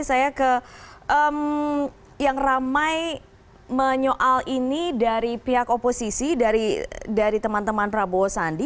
saya ke yang ramai menyoal ini dari pihak oposisi dari teman teman prabowo sandi